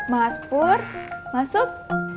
mas pur masuk